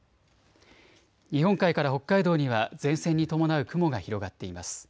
日本海から北海道には前線に伴う雲が広がっています。